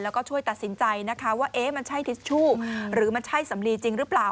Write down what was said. แล้วก็ช่วยตัดสินใจนะคะว่ามันใช่ทิชชู่หรือมันใช่สำลีจริงหรือเปล่า